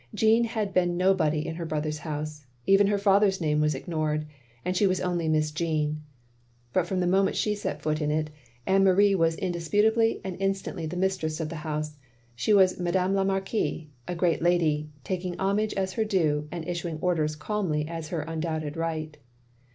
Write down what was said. Jeanne had been nobody in her brother's house; even her father's name was ignored, and she was only Miss Jeanne. But from the moment she set foot in it, Anne Marie was indisputably and instantly the mistress of the house; she was Madame la Marquise,— a great lady — ^taking homage as her due, and issuing orders calmly as her undoubted right.